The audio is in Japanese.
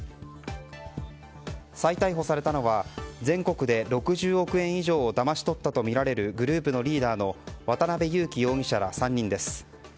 再逮捕されたのは全国で６０億円以上をだまし取ったとみられるグループのリーダーの渡辺優樹容疑者ら３人です。